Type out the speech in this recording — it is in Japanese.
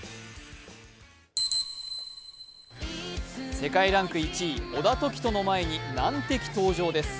世界ランク１位、小田凱人の前に難敵登場です。